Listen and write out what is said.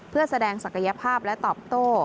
เพื่อแสดงศักยภาพและตอบโต้